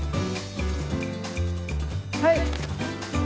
はい！